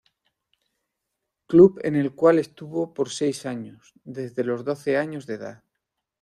Club en el cual estuvo por seis años, desde los doce años de edad.